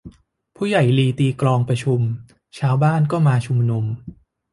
ผู้ใหญ่ลีตีกลองประชุม ชาวบ้านก็มาชุมนุม